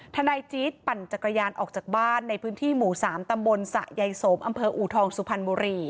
ทนายจี๊ดปั่นจักรยานออกจากบ้านในพื้นที่หมู่๓ตำบลสะยายสมอำเภออูทองสุพรรณบุรี